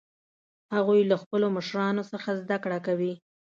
هغوی له خپلو مشرانو څخه زده کړه کوي